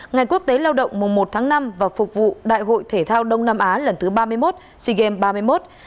ngày quốc tế lao động mùa một tháng năm và phục vụ đại hội thể thao đông nam á lần thứ ba mươi một sea games ba mươi một